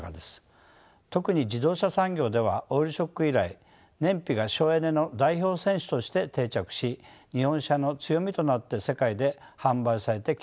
特に自動車産業ではオイルショック以来燃費が省エネの代表選手として定着し日本車の強みとなって世界で販売されてきました。